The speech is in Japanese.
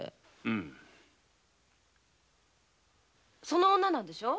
その女なんでしょ。